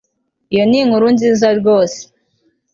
iyo ni inkuru nziza rwose